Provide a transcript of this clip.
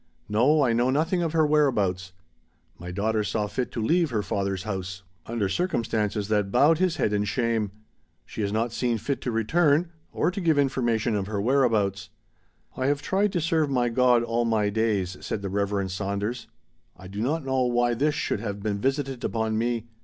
No, I know nothing of her whereabouts. My daughter saw fit to leave her father's house under circumstances that bowed his head in shame. She has not seen fit to return, or to give information of her whereabouts. I have tried to serve my God all my days," said the Reverend Saunders; "I do not know why this should have been visited upon me.